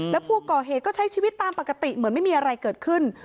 แล้วผู้ก่อเหตุก็ใช้ชีวิตตามปกติเหมือนไม่มีอะไรเกิดขึ้น